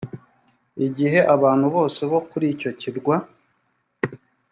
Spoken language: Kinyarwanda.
igihe abantu bose bo kuri icyo kirwa